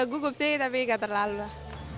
gugup sih tapi gak terlalu lah